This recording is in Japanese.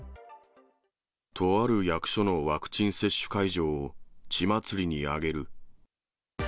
とある役所のワクチン接種会場を血祭りに上げる。